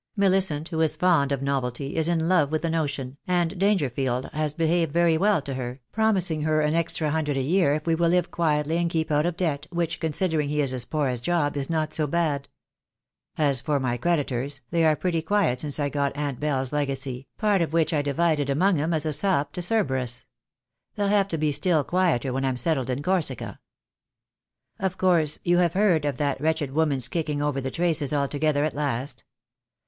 Millicent, who is fond of novelty, is in love with the notion, and Dangerfield has behaved very well to her, promising her an extra hundred a year if we will live quietly and keep out of debt, which, considering he is as poor as Job, is not so bad. As for my creditors, they are pretty quiet since I got Aunt Belle's legacy, part of which I divided among 'em as a sop to Cerberus. They'll have to be still quieter when I'm settled in Corsica. "Of course, you heard of that wretched woman's kicking over the traces altogether at last.